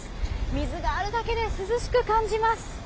水があるだけで涼しく感じます。